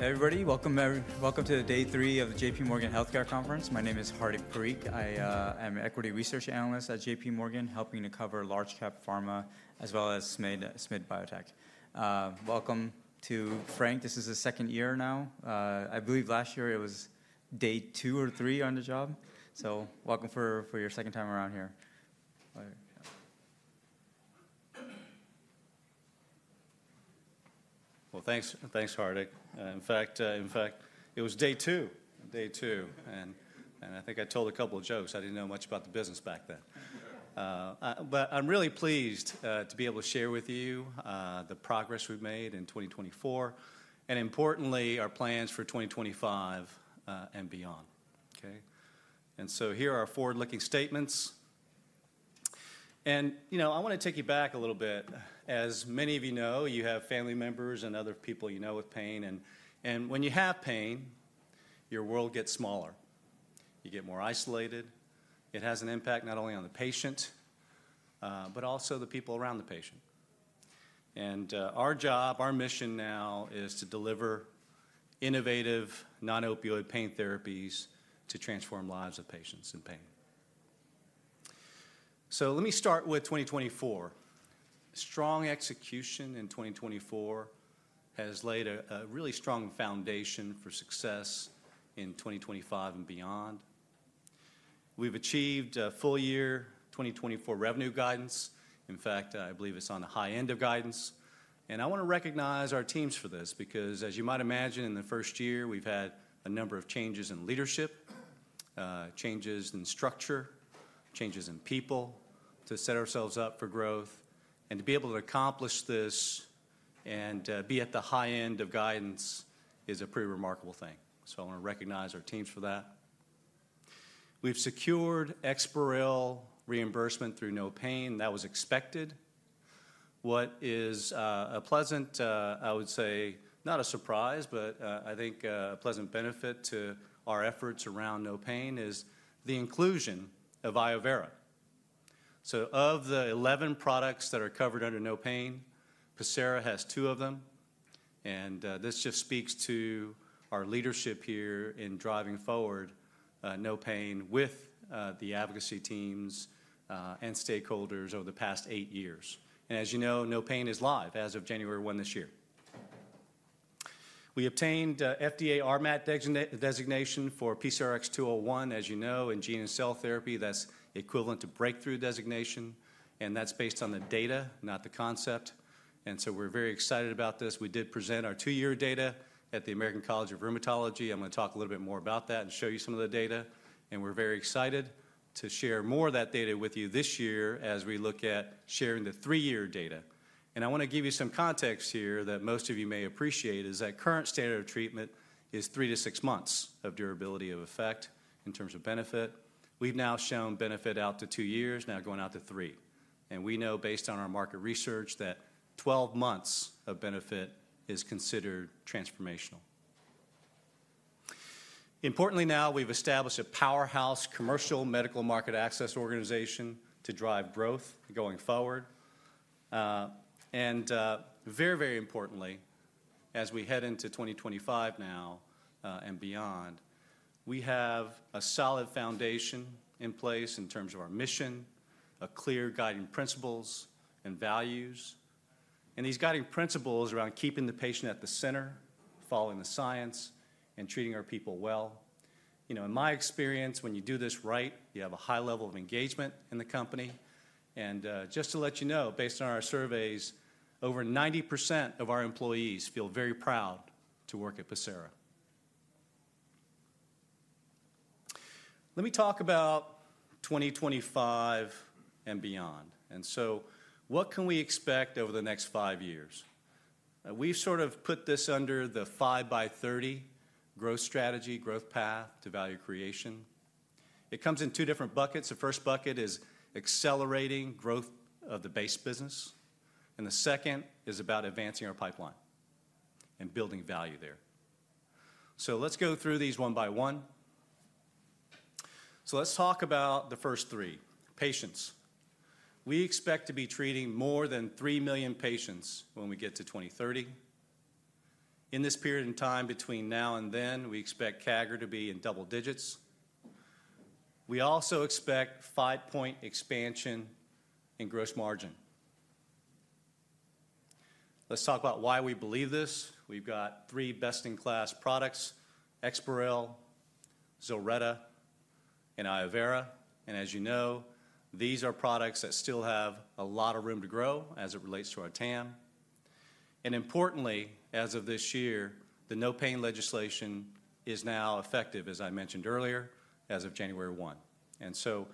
Everybody, welcome to day three of the J.P. Morgan Healthcare Conference. My name is Hardik Parikh. I am an equity research analyst at J.P. Morgan, helping to cover large-cap pharma as well as SMID Biotech. Welcome to Frank. This is his second year now. I believe last year it was day two or three on the job. So welcome for your second time around here. Thanks, Hardik. In fact, it was day two. I think I told a couple of jokes. I didn't know much about the business back then. I'm really pleased to be able to share with you the progress we've made in 2024, and importantly, our plans for 2025 and beyond. Here are our forward-looking statements. I want to take you back a little bit. As many of you know, you have family members and other people you know with pain. When you have pain, your world gets smaller. You get more isolated. It has an impact not only on the patient, but also the people around the patient. Our job, our mission now, is to deliver innovative non-opioid pain therapies to transform lives of patients in pain. Let me start with 2024. Strong execution in 2024 has laid a really strong foundation for success in 2025 and beyond. We've achieved full-year 2024 revenue guidance. In fact, I believe it's on the high end of guidance, and I want to recognize our teams for this because, as you might imagine, in the first year, we've had a number of changes in leadership, changes in structure, changes in people to set ourselves up for growth, and to be able to accomplish this and be at the high end of guidance is a pretty remarkable thing, so I want to recognize our teams for that. We've secured EXPAREL reimbursement through NOPAIN. That was expected. What is a pleasant, I would say, not a surprise, but I think a pleasant benefit to our efforts around NOPAIN is the inclusion of iovera. Of the 11 products that are covered under NOPAIN, Pacira has two of them. And this just speaks to our leadership here in driving forward NOPAIN with the advocacy teams and stakeholders over the past eight years. And as you know, NOPAIN is live as of January 1 this year. We obtained FDA RMAT designation for PCRX-201, as you know, in gene and cell therapy. That's equivalent to breakthrough designation. And that's based on the data, not the concept. And so we're very excited about this. We did present our two-year data at the American College of Rheumatology. I'm going to talk a little bit more about that and show you some of the data. And we're very excited to share more of that data with you this year as we look at sharing the three-year data. I want to give you some context here that most of you may appreciate is that current standard of treatment is three to six months of durability of effect in terms of benefit. We've now shown benefit out to two years, now going out to three. We know, based on our market research, that 12 months of benefit is considered transformational. Importantly now, we've established a powerhouse commercial medical market access organization to drive growth going forward. Very, very importantly, as we head into 2025 now and beyond, we have a solid foundation in place in terms of our mission, a clear guiding principles and values. These guiding principles are on keeping the patient at the center, following the science, and treating our people well. In my experience, when you do this right, you have a high level of engagement in the company. And just to let you know, based on our surveys, over 90% of our employees feel very proud to work at Pacira. Let me talk about 2025 and beyond. And so what can we expect over the next five years? We've sort of put this under the 5x30 growth strategy, growth path to value creation. It comes in two different buckets. The first bucket is accelerating growth of the base business. And the second is about advancing our pipeline and building value there. So let's go through these one by one. So let's talk about the first three, patients. We expect to be treating more than 3 million patients when we get to 2030. In this period of time between now and then, we expect CAGR to be in double digits. We also expect five-point expansion in gross margin. Let's talk about why we believe this. We've got three best-in-class products, EXPAREL, ZILRETTA, and iovera. And as you know, these are products that still have a lot of room to grow as it relates to our TAM. And importantly, as of this year, the NOPAIN Act is now effective, as I mentioned earlier, as of January 1. And so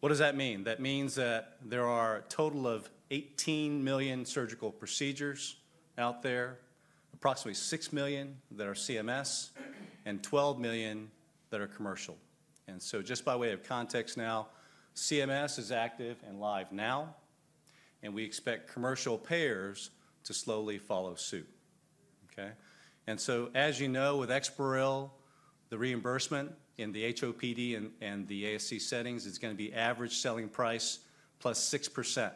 what does that mean? That means that there are a total of 18 million surgical procedures out there, approximately 6 million that are CMS, and 12 million that are commercial. And so, as you know, with EXPAREL, the reimbursement in the HOPD and the ASC settings is going to be average selling price plus 6%.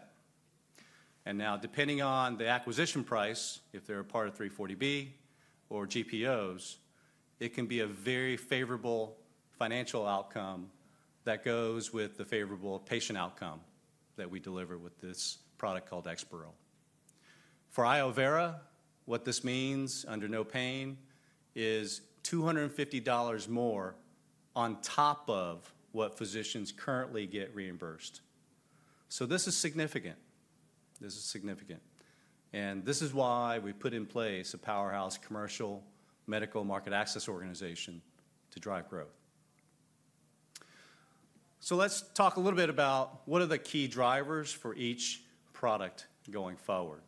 And now, depending on the acquisition price, if they're a part of 340B or GPOs, it can be a very favorable financial outcome that goes with the favorable patient outcome that we deliver with this product called EXPAREL. For iovera, what this means under NOPAIN is $250 more on top of what physicians currently get reimbursed. So this is significant. This is significant. And this is why we put in place a powerhouse commercial medical market access organization to drive growth. So let's talk a little bit about what are the key drivers for each product going forward.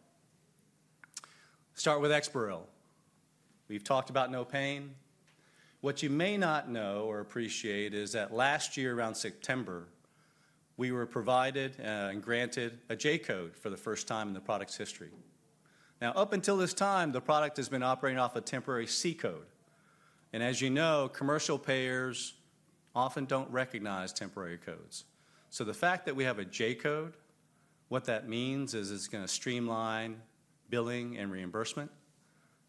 Start with EXPAREL. We've talked about NOPAIN. What you may not know or appreciate is that last year, around September, we were provided and granted a J code for the first time in the product's history. Now, up until this time, the product has been operating off a temporary C code. And as you know, commercial payers often don't recognize temporary codes. So the fact that we have a J code, what that means is it's going to streamline billing and reimbursement.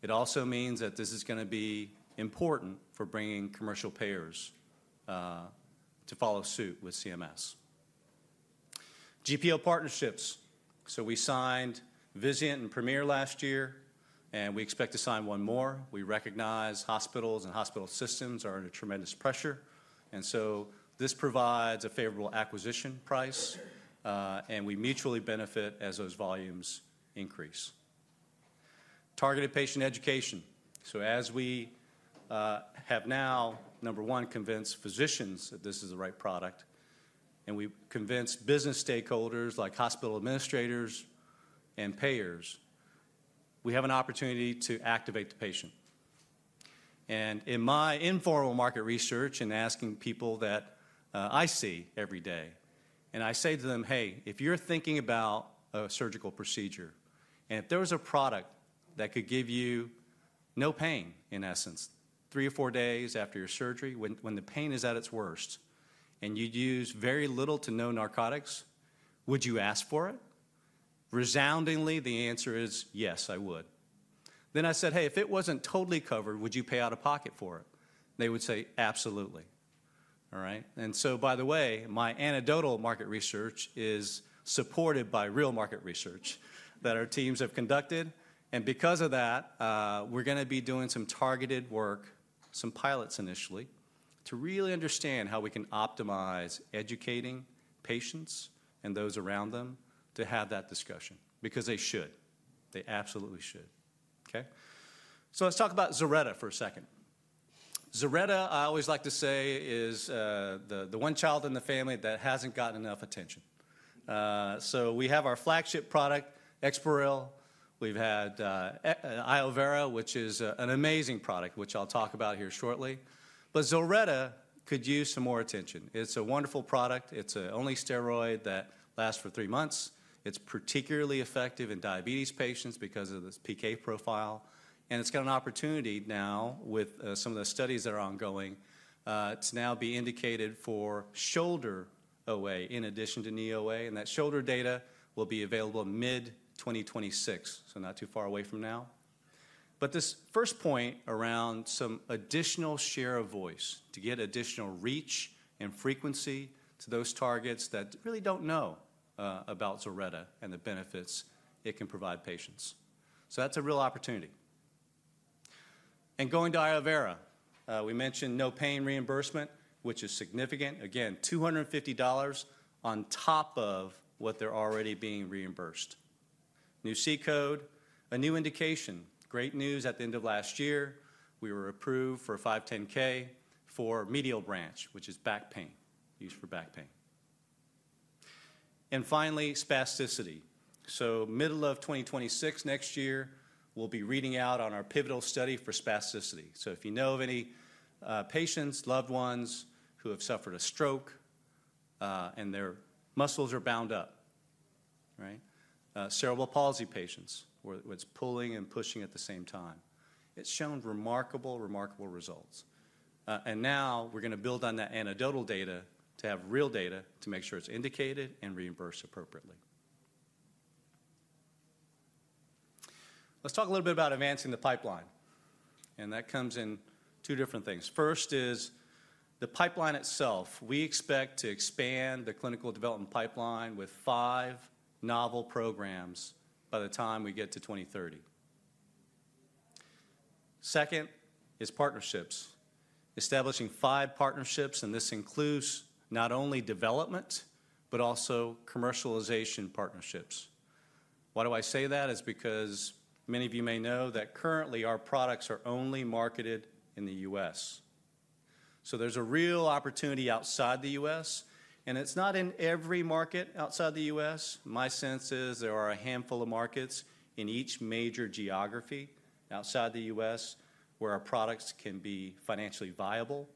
It also means that this is going to be important for bringing commercial payers to follow suit with CMS. GPO partnerships. So we signed Vizient and Premier last year, and we expect to sign one more. We recognize hospitals and hospital systems are under tremendous pressure. And so this provides a favorable acquisition price, and we mutually benefit as those volumes increase. Targeted patient education. So as we have now, number one, convinced physicians that this is the right product, and we've convinced business stakeholders like hospital administrators and payers, we have an opportunity to activate the patient. And in my informal market research and asking people that I see every day, and I say to them, "Hey, if you're thinking about a surgical procedure, and if there was a product that could give you NOPAIN, in essence, three or four days after your surgery, when the pain is at its worst, and you'd use very little to no narcotics, would you ask for it?" Resoundingly, the answer is, "Yes, I would." Then I said, "Hey, if it wasn't totally covered, would you pay out of pocket for it?" They would say, "Absolutely." And so, by the way, my anecdotal market research is supported by real market research that our teams have conducted. And because of that, we're going to be doing some targeted work, some pilots initially, to really understand how we can optimize educating patients and those around them to have that discussion because they should. They absolutely should. So let's talk about ZILRETTA for a second. ZILRETTA, I always like to say, is the one child in the family that hasn't gotten enough attention. So we have our flagship product, EXPAREL. We've had iovera, which is an amazing product, which I'll talk about here shortly. But ZILRETTA could use some more attention. It's a wonderful product. It's an only steroid that lasts for three months. It's particularly effective in diabetes patients because of this PK profile. And it's got an opportunity now, with some of the studies that are ongoing, to now be indicated for shoulder OA in addition to knee OA. That shoulder data will be available mid-2026, so not too far away from now. This first point around some additional share of voice to get additional reach and frequency to those targets that really don't know about ZILRETTA and the benefits it can provide patients. That's a real opportunity. Going to iovera, we mentioned NOPAIN reimbursement, which is significant. Again, $250 on top of what they're already being reimbursed. New C code, a new indication. Great news at the end of last year. We were approved for 510(k) for medial branch, which is back pain, used for back pain. Finally, spasticity. Middle of 2026, next year, we'll be reading out on our pivotal study for spasticity. So if you know of any patients, loved ones who have suffered a stroke and their muscles are bound up, cerebral palsy patients where it's pulling and pushing at the same time, it's shown remarkable, remarkable results. And now we're going to build on that anecdotal data to have real data to make sure it's indicated and reimbursed appropriately. Let's talk a little bit about advancing the pipeline. And that comes in two different things. First is the pipeline itself. We expect to expand the clinical development pipeline with five novel programs by the time we get to 2030. Second is partnerships, establishing five partnerships. And this includes not only development, but also commercialization partnerships. Why do I say that? It's because many of you may know that currently our products are only marketed in the U.S. So there's a real opportunity outside the U.S. And it's not in every market outside the U.S. My sense is there are a handful of markets in each major geography outside the U.S. where our products can be financially viable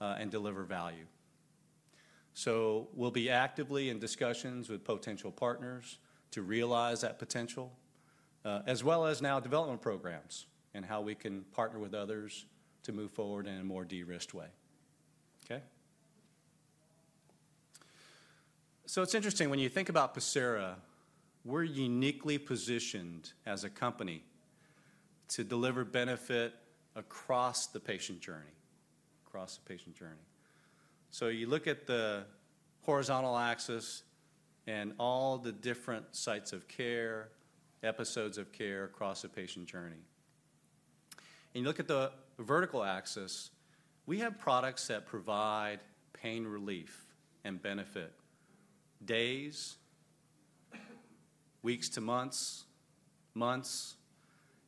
and deliver value. So we'll be actively in discussions with potential partners to realize that potential, as well as now development programs and how we can partner with others to move forward in a more de-risked way. So it's interesting when you think about Pacira. We're uniquely positioned as a company to deliver benefit across the patient journey, across the patient journey. So you look at the horizontal axis and all the different sites of care, episodes of care across the patient journey. And you look at the vertical axis. We have products that provide pain relief and benefit days, weeks to months, months,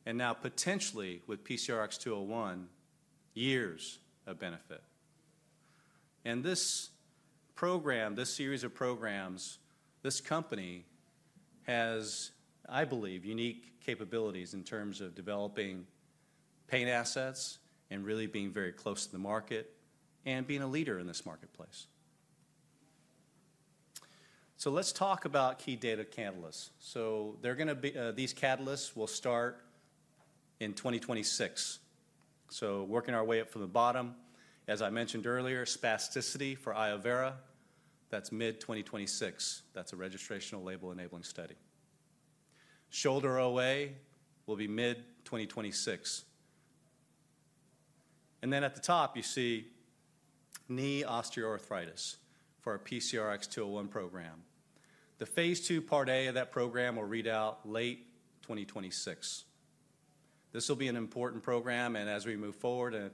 and now potentially with PCRX-201, years of benefit. And this program, this series of programs, this company has, I believe, unique capabilities in terms of developing pain assets and really being very close to the market and being a leader in this marketplace. So let's talk about key data catalysts. So these catalysts will start in 2026. So working our way up from the bottom, as I mentioned earlier, spasticity for iovera, that's mid-2026. That's a registrational label enabling study. Shoulder OA will be mid-2026. And then at the top, you see knee osteoarthritis for our PCRX-201 program. The Phase 2, Part A of that program will read out late 2026. This will be an important program. And as we move forward,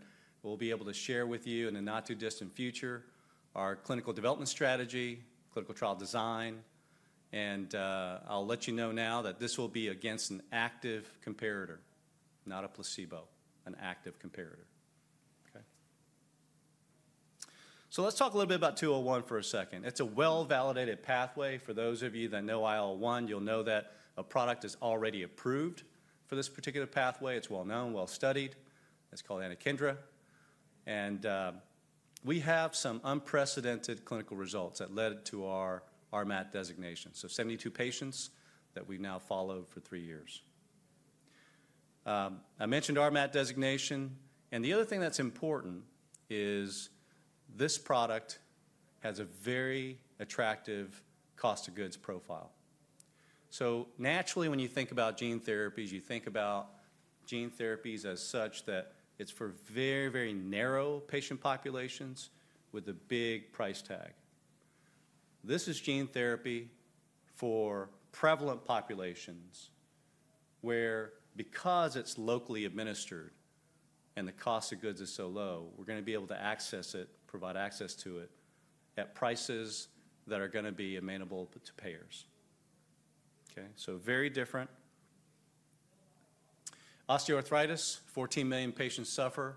we'll be able to share with you in the not-too-distant future our clinical development strategy, clinical trial design. I'll let you know now that this will be against an active comparator, not a placebo, an active comparator. Let's talk a little bit about 201 for a second. It's a well-validated pathway. For those of you that know IL-1, you'll know that a product is already approved for this particular pathway. It's well-known, well-studied. It's called anakinra. We have some unprecedented clinical results that led to our RMAT designation, so 72 patients that we've now followed for three years. I mentioned RMAT designation. The other thing that's important is this product has a very attractive cost of goods profile. Naturally, when you think about gene therapies, you think about gene therapies as such that it's for very, very narrow patient populations with a big price tag. This is gene therapy for prevalent populations where, because it's locally administered and the cost of goods is so low, we're going to be able to access it, provide access to it at prices that are going to be amenable to payers. So very different. Osteoarthritis, 14 million patients suffer.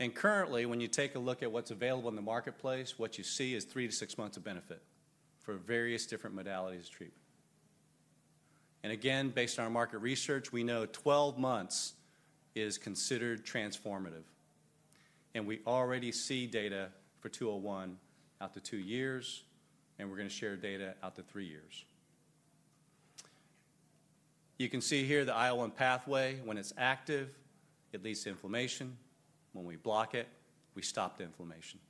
And currently, when you take a look at what's available in the marketplace, what you see is three to six months of benefit for various different modalities of treatment. And again, based on our market research, we know 12 months is considered transformative. And we already see data for 201 out to two years, and we're going to share data out to three years. You can see here the IL-1 pathway. When it's active, it leads to inflammation. When we block it, we stop the inflammation.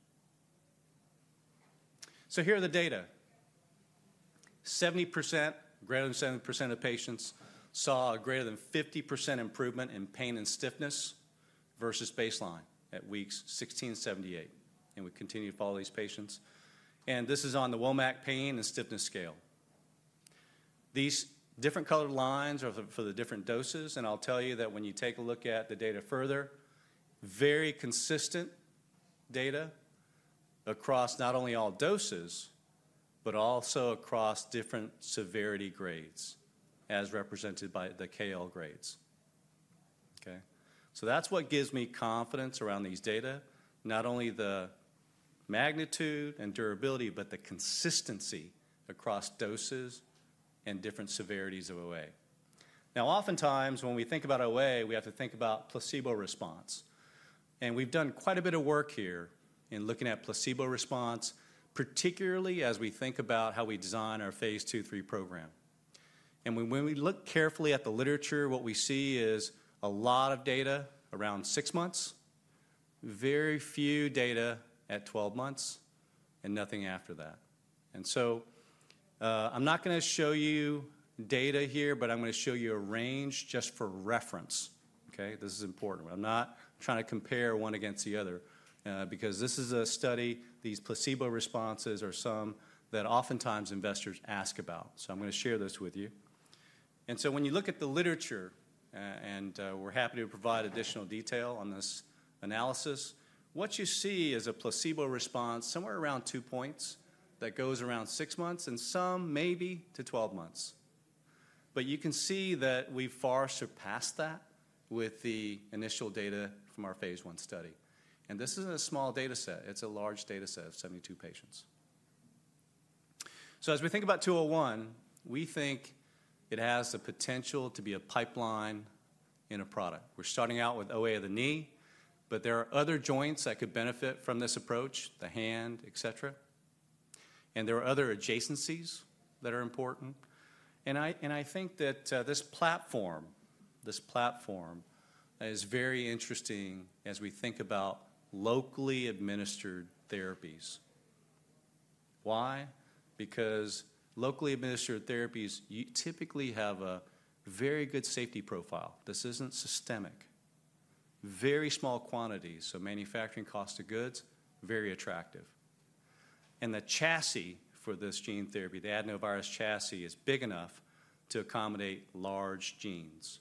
So here are the data. 70%, greater than 70% of patients saw a greater than 50% improvement in pain and stiffness versus baseline at weeks 16 and 78. We continue to follow these patients. This is on the WOMAC pain and stiffness scale. These different colored lines are for the different doses. I'll tell you that when you take a look at the data further, very consistent data across not only all doses, but also across different severity grades as represented by the KL grades. That's what gives me confidence around these data, not only the magnitude and durability, but the consistency across doses and different severities of OA. Now, oftentimes, when we think about OA, we have to think about placebo response. We've done quite a bit of work here in looking at placebo response, particularly as we think about how we design our Phase 2/3 program. And when we look carefully at the literature, what we see is a lot of data around six months, very few data at 12 months, and nothing after that. And so I'm not going to show you data here, but I'm going to show you a range just for reference. This is important. I'm not trying to compare one against the other because this is a study. These placebo responses are some that oftentimes investors ask about. So I'm going to share those with you. And so when you look at the literature, and we're happy to provide additional detail on this analysis, what you see is a placebo response somewhere around two points that goes around six months and some maybe to 12 months. But you can see that we've far surpassed that with the initial data from our Phase 1 study. And this isn't a small data set. It's a large data set of 72 patients. So as we think about 201, we think it has the potential to be a pipeline in a product. We're starting out with OA of the knee, but there are other joints that could benefit from this approach, the hand, etc. And there are other adjacencies that are important. And I think that this platform, this platform is very interesting as we think about locally administered therapies. Why? Because locally administered therapies typically have a very good safety profile. This isn't systemic. Very small quantities, so manufacturing cost of goods, very attractive. And the chassis for this gene therapy, the adenovirus chassis, is big enough to accommodate large genes.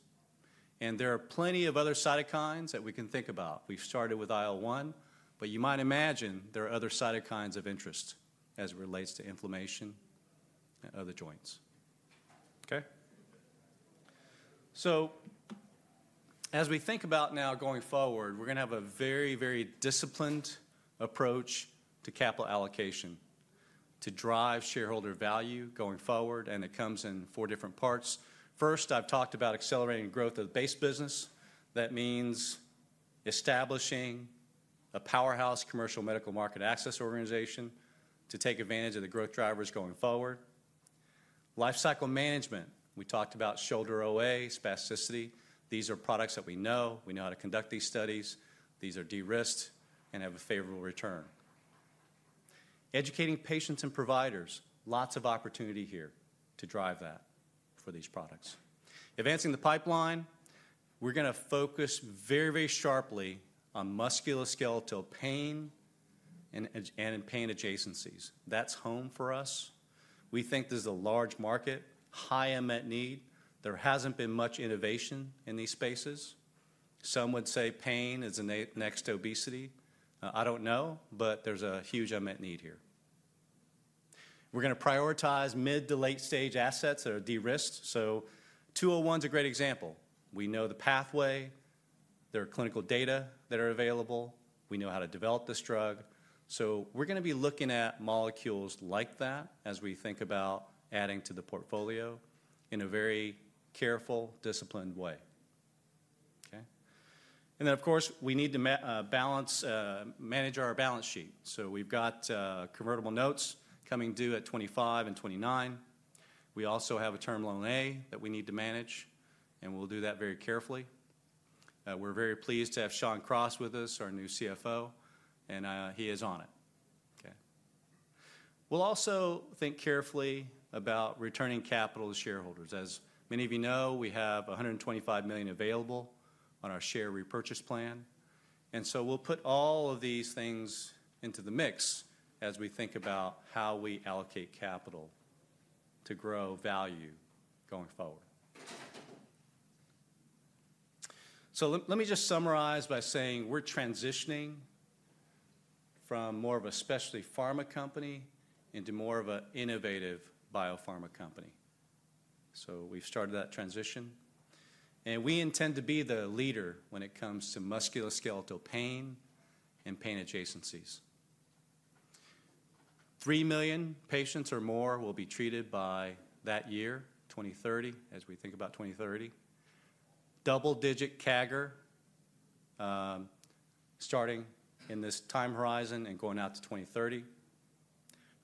And there are plenty of other cytokines that we can think about. We've started with IL-1, but you might imagine there are other cytokines of interest as it relates to inflammation and other joints, so as we think about now going forward, we're going to have a very, very disciplined approach to capital allocation to drive shareholder value going forward, and it comes in four different parts. First, I've talked about accelerating growth of the base business. That means establishing a powerhouse commercial medical market access organization to take advantage of the growth drivers going forward. Lifecycle management, we talked about shoulder OA, spasticity. These are products that we know. We know how to conduct these studies. These are de-risked and have a favorable return. Educating patients and providers, lots of opportunity here to drive that for these products. Advancing the pipeline, we're going to focus very, very sharply on musculoskeletal pain and pain adjacencies. That's home for us. We think this is a large market, high unmet need. There hasn't been much innovation in these spaces. Some would say pain is next to obesity. I don't know, but there's a huge unmet need here. We're going to prioritize mid- to late-stage assets that are de-risked. So 201 is a great example. We know the pathway. There are clinical data that are available. We know how to develop this drug. So we're going to be looking at molecules like that as we think about adding to the portfolio in a very careful, disciplined way. And then, of course, we need to balance, manage our balance sheet. So we've got convertible notes coming due at 2025 and 2029. We also have a Term Loan A that we need to manage, and we'll do that very carefully. We're very pleased to have Shawn Cross with us, our new CFO, and he is on it. We'll also think carefully about returning capital to shareholders. As many of you know, we have $125 million available on our share repurchase plan, and so we'll put all of these things into the mix as we think about how we allocate capital to grow value going forward. So let me just summarize by saying we're transitioning from more of a specialty pharma company into more of an innovative biopharma company. So we've started that transition. And we intend to be the leader when it comes to musculoskeletal pain and pain adjacencies. Three million patients or more will be treated by that year, 2030, as we think about 2030. Double-digit CAGR starting in this time horizon and going out to 2030.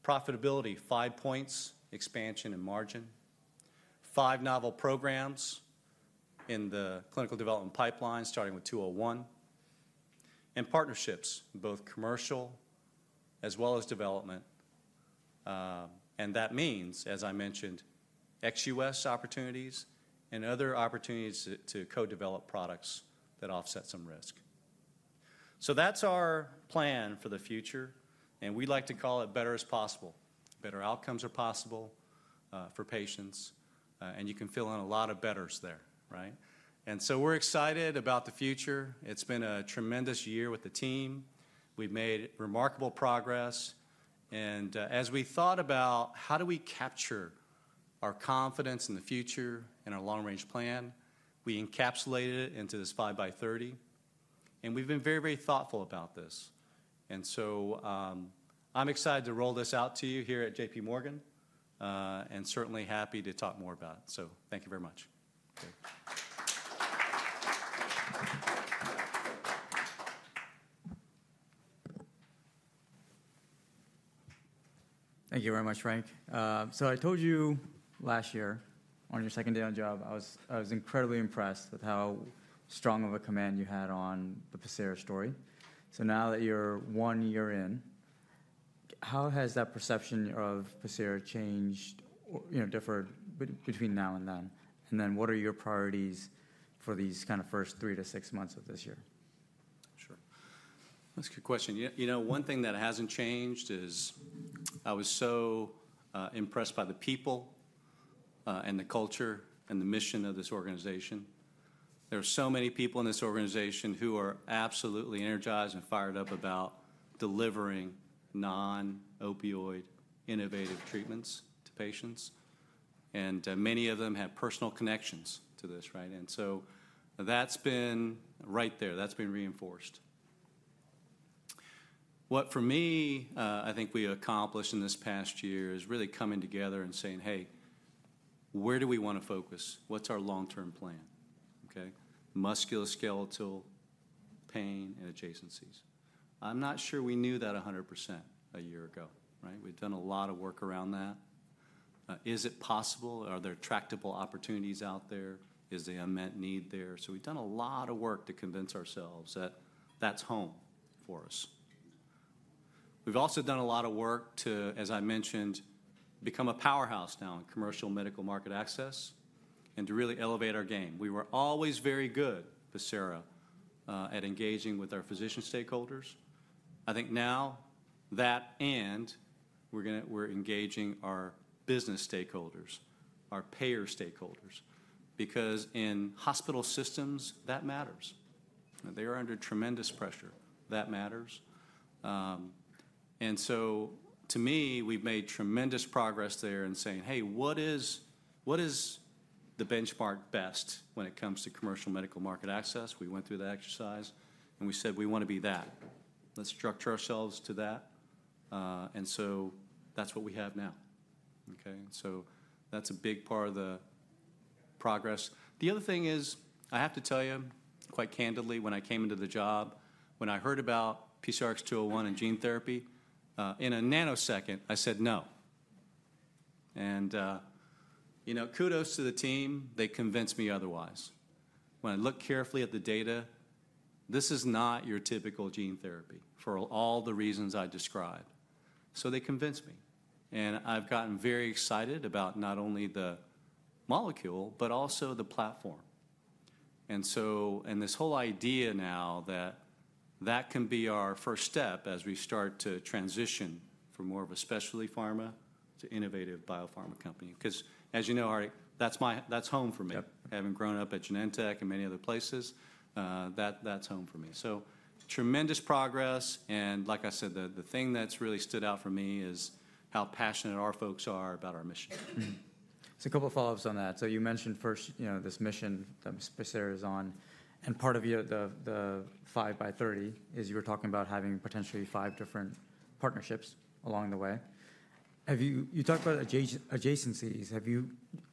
Profitability, five points, expansion and margin. Five novel programs in the clinical development pipeline starting with 201, and partnerships, both commercial as well as development, and that means, as I mentioned, ex-US opportunities and other opportunities to co-develop products that offset some risk, so that's our plan for the future, and we'd like to call it better is possible. Better outcomes are possible for patients, and you can fill in a lot of betters there, and so we're excited about the future. It's been a tremendous year with the team. We've made remarkable progress, and as we thought about how do we capture our confidence in the future and our long-range plan, we encapsulated it into this 5x30, and we've been very, very thoughtful about this, and so I'm excited to roll this out to you here at J.P. Morgan and certainly happy to talk more about it. So thank you very much. Thank you very much, Frank. So I told you last year on your second day on the job, I was incredibly impressed with how strong of a command you had on the Pacira story. So now that you're one year in, how has that perception of Pacira changed, differed between now and then? And then what are your priorities for these kind of first three to six months of this year? Sure. That's a good question. One thing that hasn't changed is I was so impressed by the people and the culture and the mission of this organization. There are so many people in this organization who are absolutely energized and fired up about delivering non-opioid innovative treatments to patients. And many of them have personal connections to this. And so that's been right there. That's been reinforced. What for me, I think we accomplished in this past year is really coming together and saying, "Hey, where do we want to focus? What's our long-term plan?" Musculoskeletal pain and adjacencies. I'm not sure we knew that 100% a year ago. We've done a lot of work around that. Is it possible? Are there tractable opportunities out there? Is the unmet need there? So we've done a lot of work to convince ourselves that that's home for us. We've also done a lot of work to, as I mentioned, become a powerhouse now in commercial medical market access and to really elevate our game. We were always very good, Pacira, at engaging with our physician stakeholders. I think now that and we're engaging our business stakeholders, our payer stakeholders, because in hospital systems, that matters. They are under tremendous pressure. That matters. And so to me, we've made tremendous progress there in saying, "Hey, what is the benchmark best when it comes to commercial medical market access?" We went through the exercise, and we said, "We want to be that. Let's structure ourselves to that." And so that's what we have now. So that's a big part of the progress. The other thing is, I have to tell you, quite candidly, when I came into the job, when I heard about PCRX-201 and gene therapy, in a nanosecond, I said, "No." And kudos to the team. They convinced me otherwise. When I look carefully at the data, this is not your typical gene therapy for all the reasons I described. So they convinced me. And I've gotten very excited about not only the molecule, but also the platform. And so this whole idea now that that can be our first step as we start to transition from more of a specialty pharma to innovative biopharma company. Because as you know, that's home for me. Having grown up at Genentech and many other places, that's home for me. So tremendous progress. Like I said, the thing that's really stood out for me is how passionate our folks are about our mission. So a couple of follow-ups on that. So you mentioned first this mission that Pacira is on. And part of the 5x30 is you were talking about having potentially five different partnerships along the way. You talked about adjacencies. Have you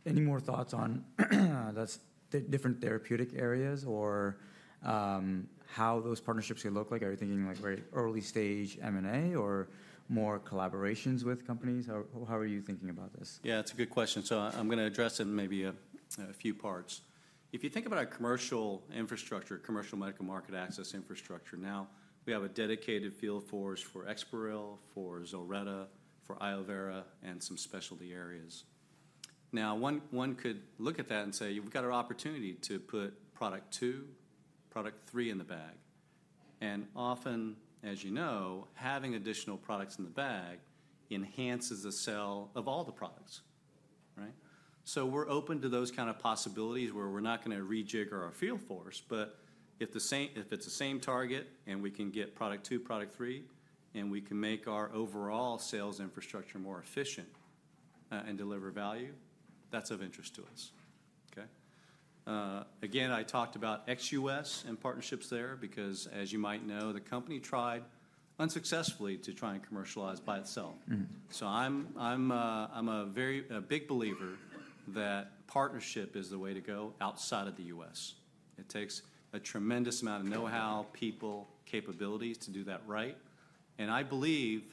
any more thoughts on the different therapeutic areas or how those partnerships could look like? Are you thinking like very early-stage M&A or more collaborations with companies? How are you thinking about this? Yeah, it's a good question. So I'm going to address it in maybe a few parts. If you think about our commercial infrastructure, commercial medical market access infrastructure, now we have a dedicated field force for EXPAREL, for ZILRETTA, for iovera, and some specialty areas. Now, one could look at that and say, "We've got an opportunity to put product two, product three in the bag." And often, as you know, having additional products in the bag enhances the sale of all the products. So we're open to those kinds of possibilities where we're not going to rejigger our field force. But if it's the same target and we can get product two, product three, and we can make our overall sales infrastructure more efficient and deliver value, that's of interest to us. Again, I talked about ex-US and partnerships there because, as you might know, the company tried unsuccessfully to try and commercialize by itself. So I'm a big believer that partnership is the way to go outside of the US. It takes a tremendous amount of know-how, people, capabilities to do that right. And I believe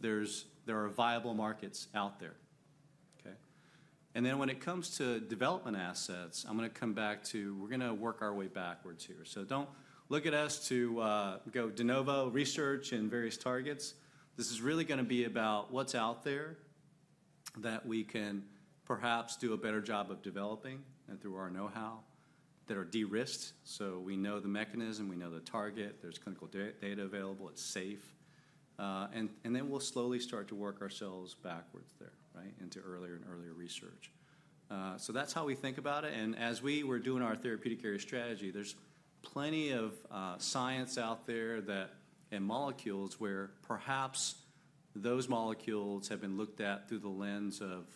there are viable markets out there. And then when it comes to development assets, I'm going to come back to we're going to work our way backwards here. So don't look at us to go de novo research and various targets. This is really going to be about what's out there that we can perhaps do a better job of developing and through our know-how that are de-risked. So we know the mechanism. We know the target. There's clinical data available. It's safe. And then we'll slowly start to work ourselves backwards there into earlier and earlier research. So that's how we think about it. And as we were doing our therapeutic area strategy, there's plenty of science out there and molecules where perhaps those molecules have been looked at through the lens of,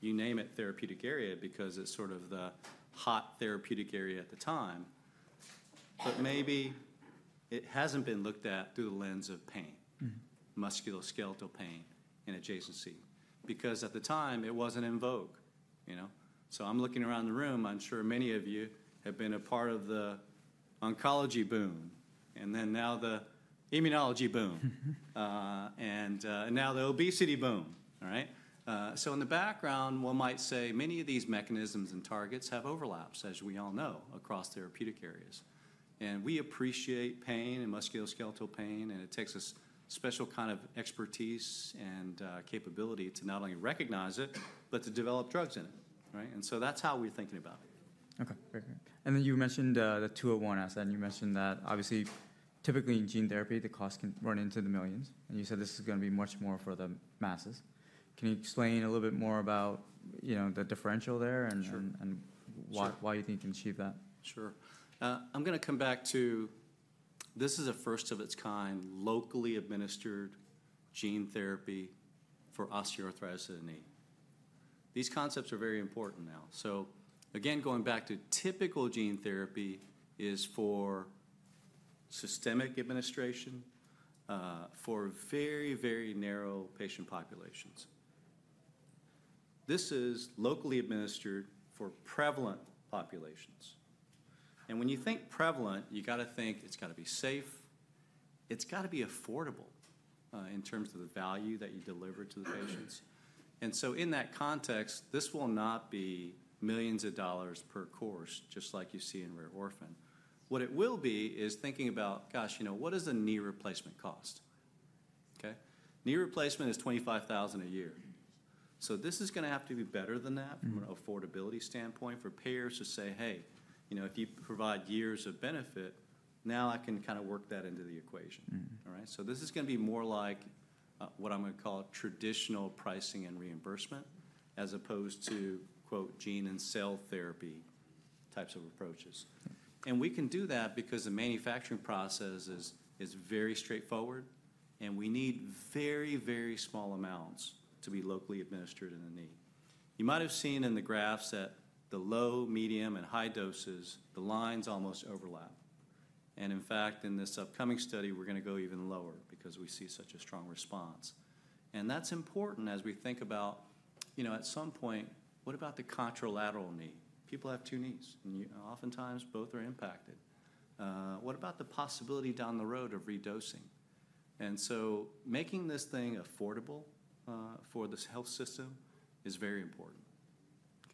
you name it, therapeutic area because it's sort of the hot therapeutic area at the time. But maybe it hasn't been looked at through the lens of pain, musculoskeletal pain and adjacency because at the time, it wasn't in vogue. So I'm looking around the room. I'm sure many of you have been a part of the oncology boom and then now the immunology boom and now the obesity boom. So in the background, one might say many of these mechanisms and targets have overlaps, as we all know, across therapeutic areas. And we appreciate pain and musculoskeletal pain. And it takes a special kind of expertise and capability to not only recognize it, but to develop drugs in it. And so that's how we're thinking about it. Okay. Very good. And then you mentioned the PCRX-201 asset. And you mentioned that obviously, typically in gene therapy, the cost can run into the millions. And you said this is going to be much more for the masses. Can you explain a little bit more about the differential there and why you think you can achieve that? Sure. I'm going to come back to this is a first of its kind locally administered gene therapy for osteoarthritis of the knee. These concepts are very important now. So again, going back to typical gene therapy is for systemic administration for very, very narrow patient populations. This is locally administered for prevalent populations. And when you think prevalent, you've got to think it's got to be safe. It's got to be affordable in terms of the value that you deliver to the patients. And so in that context, this will not be millions of dollars per course, just like you see in rare orphan. What it will be is thinking about, gosh, what does a knee replacement cost? Knee replacement is $25,000 a year. So this is going to have to be better than that from an affordability standpoint for payers to say, "Hey, if you provide years of benefit, now I can kind of work that into the equation." So this is going to be more like what I'm going to call traditional pricing and reimbursement as opposed to, quote, "gene and cell therapy" types of approaches. And we can do that because the manufacturing process is very straightforward. And we need very, very small amounts to be locally administered in the knee. You might have seen in the graphs that the low, medium, and high doses, the lines almost overlap. And in fact, in this upcoming study, we're going to go even lower because we see such a strong response. And that's important as we think about at some point, what about the contralateral knee? People have two knees. And oftentimes, both are impacted. What about the possibility down the road of redosing? And so making this thing affordable for this health system is very important.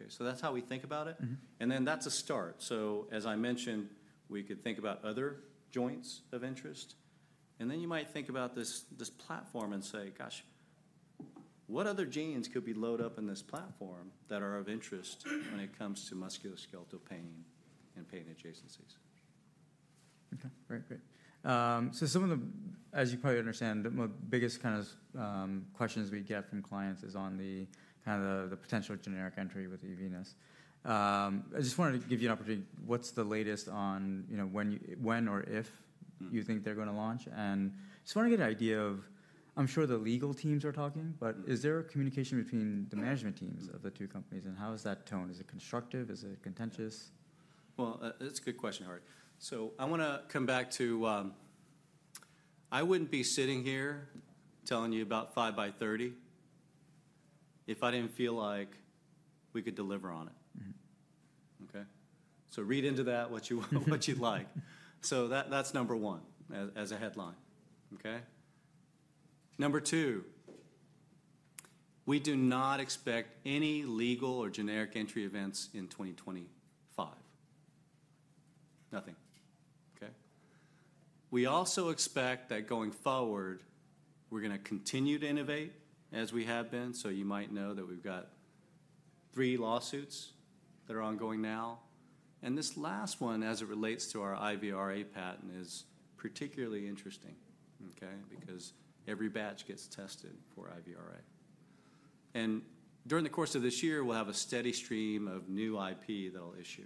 So that's how we think about it. And then that's a start. So as I mentioned, we could think about other joints of interest. And then you might think about this platform and say, "Gosh, what other genes could be loaded up in this platform that are of interest when it comes to musculoskeletal pain and pain adjacencies? Okay. Very good, so some of the, as you probably understand, the biggest kind of questions we get from clients is on the kind of the potential generic entry with eVenus. I just wanted to give you an opportunity. What's the latest on when or if you think they're going to launch? And I just want to get an idea of, I'm sure the legal teams are talking, but is there a communication between the management teams of the two companies? And how is that tone? Is it constructive? Is it contentious? Well, that's a good question, Hardik. So I want to come back to. I wouldn't be sitting here telling you about 5x30 if I didn't feel like we could deliver on it. So read into that what you'd like. So that's number one as a headline. Number two, we do not expect any legal or generic entry events in 2025. Nothing. We also expect that going forward, we're going to continue to innovate as we have been. So you might know that we've got three lawsuits that are ongoing now. And this last one, as it relates to our IVR patent, is particularly interesting because every batch gets tested for IVR. And during the course of this year, we'll have a steady stream of new IP that I'll issue.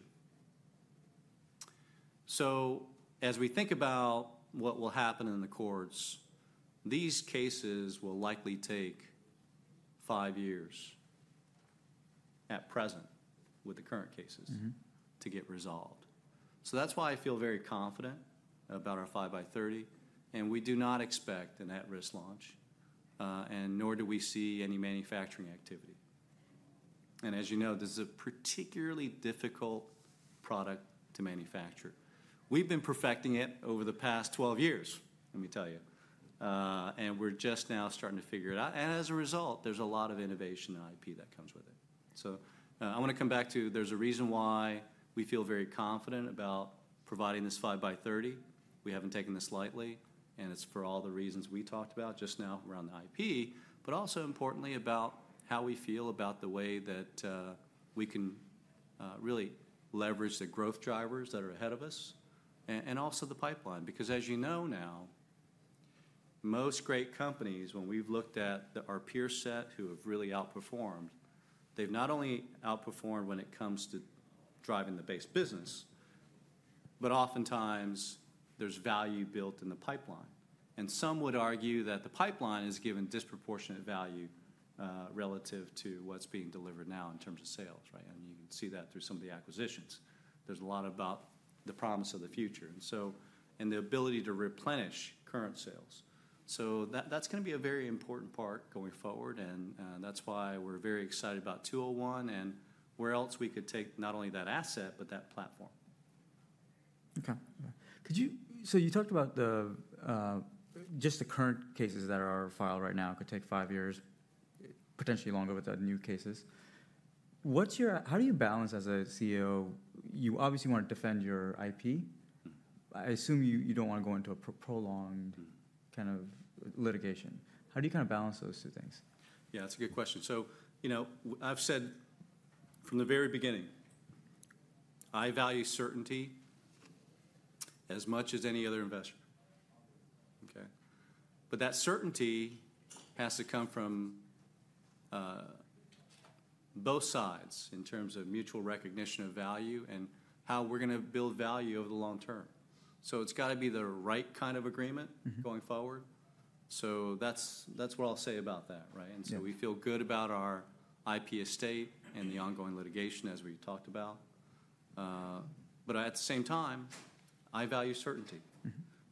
So as we think about what will happen in the courts, these cases will likely take five years at present with the current cases to get resolved. So that's why I feel very confident about our 5x30. And we do not expect an at-risk launch, and nor do we see any manufacturing activity. And as you know, this is a particularly difficult product to manufacture. We've been perfecting it over the past 12 years, let me tell you. And we're just now starting to figure it out. And as a result, there's a lot of innovation and IP that comes with it. So I want to come back to. There's a reason why we feel very confident about providing this 5x30. We haven't taken this lightly. And it's for all the reasons we talked about just now around the IP, but also importantly about how we feel about the way that we can really leverage the growth drivers that are ahead of us and also the pipeline. Because as you know now, most great companies, when we've looked at our peer set who have really outperformed, they've not only outperformed when it comes to driving the base business, but oftentimes, there's value built in the pipeline. And some would argue that the pipeline is given disproportionate value relative to what's being delivered now in terms of sales. And you can see that through some of the acquisitions. There's a lot about the promise of the future and the ability to replenish current sales. So that's going to be a very important part going forward. That's why we're very excited about 201 and where else we could take not only that asset, but that platform. Okay. So you talked about just the current cases that are filed right now. It could take five years, potentially longer with the new cases. How do you balance as a CEO? You obviously want to defend your IP. I assume you don't want to go into a prolonged kind of litigation. How do you kind of balance those two things? Yeah, that's a good question. So I've said from the very beginning, I value certainty as much as any other investor. But that certainty has to come from both sides in terms of mutual recognition of value and how we're going to build value over the long term. So it's got to be the right kind of agreement going forward. So that's what I'll say about that. And so we feel good about our IP estate and the ongoing litigation, as we talked about. But at the same time, I value certainty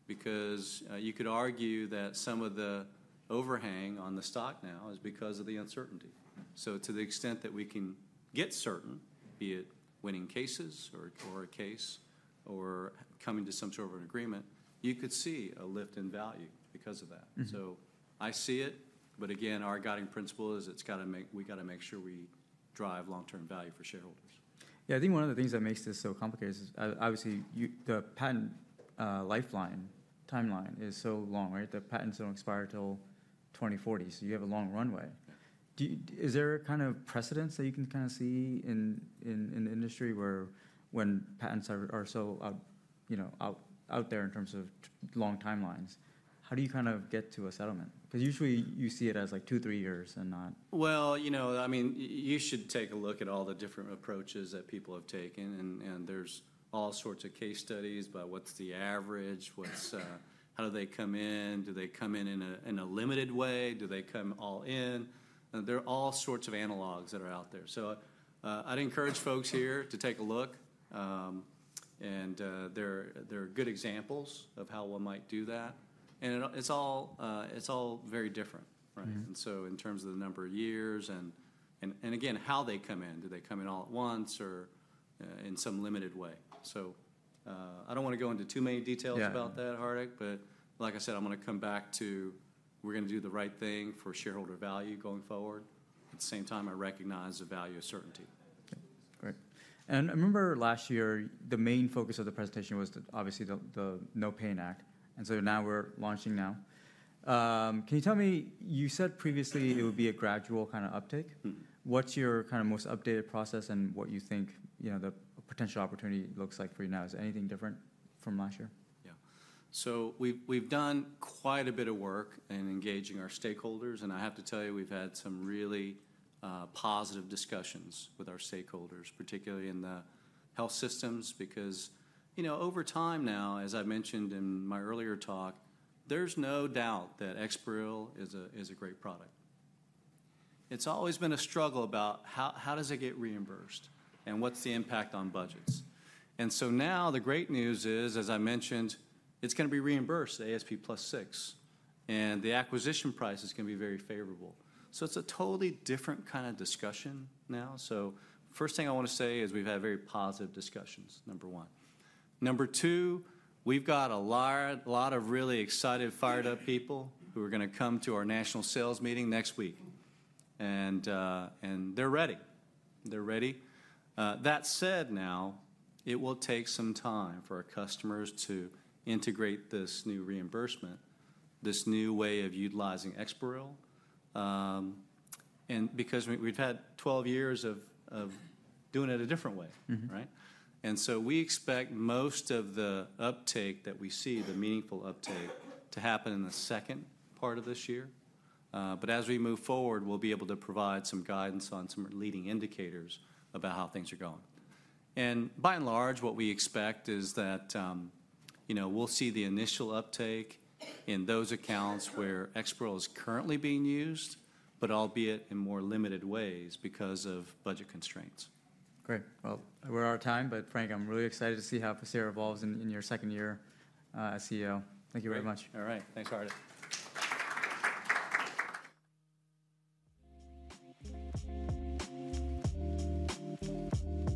because you could argue that some of the overhang on the stock now is because of the uncertainty. So to the extent that we can get certain, be it winning cases or a case or coming to some sort of an agreement, you could see a lift in value because of that. So I see it. But again, our guiding principle is we've got to make sure we drive long-term value for shareholders. Yeah. I think one of the things that makes this so complicated is obviously the patent litigation timeline is so long. The patents don't expire till 2040. So you have a long runway. Is there a kind of precedent that you can kind of see in the industry where when patents are so out there in terms of long timelines, how do you kind of get to a settlement? Because usually, you see it as like two, three years and not. Well, I mean, you should take a look at all the different approaches that people have taken. And there's all sorts of case studies about what's the average, how do they come in, do they come in in a limited way, do they come all in. There are all sorts of analogs that are out there. So I'd encourage folks here to take a look. And there are good examples of how one might do that. And it's all very different. And so in terms of the number of years and again, how they come in, do they come in all at once or in some limited way? So I don't want to go into too many details about that, Hardik. But like I said, I'm going to come back to we're going to do the right thing for shareholder value going forward. At the same time, I recognize the value of certainty. Great, and I remember last year, the main focus of the presentation was obviously the NOPAIN Act, and so now we're launching now. Can you tell me, you said previously it would be a gradual kind of uptake. What's your kind of most updated process and what you think the potential opportunity looks like for you now? Is anything different from last year? Yeah, so we've done quite a bit of work in engaging our stakeholders, and I have to tell you, we've had some really positive discussions with our stakeholders, particularly in the health systems because over time now, as I've mentioned in my earlier talk, there's no doubt that EXPAREL is a great product. It's always been a struggle about how does it get reimbursed and what's the impact on budgets, and so now the great news is, as I mentioned, it's going to be reimbursed, ASP plus six, and the acquisition price is going to be very favorable, so it's a totally different kind of discussion now, so first thing I want to say is we've had very positive discussions, number one. Number two, we've got a lot of really excited, fired-up people who are going to come to our national sales meeting next week, and they're ready. They're ready. That said, now, it will take some time for our customers to integrate this new reimbursement, this new way of utilizing EXPAREL because we've had 12 years of doing it a different way. We expect most of the uptake that we see, the meaningful uptake, to happen in the second part of this year. As we move forward, we'll be able to provide some guidance on some leading indicators about how things are going. By and large, what we expect is that we'll see the initial uptake in those accounts where EXPAREL is currently being used, but albeit in more limited ways because of budget constraints. Great. Well, we're out of time. But Frank, I'm really excited to see how this year evolves in your second year as CEO. Thank you very much. All right. Thanks, Hardik.